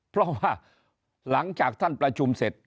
เพราะว่าหลังจากท่านประชุมเสร็จ